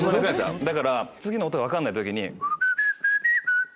だから次の音が分かんない時に。